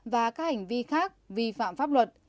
và các hành vi khác vi phạm pháp luật